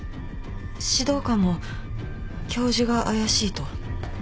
指導官も教授が怪しいと？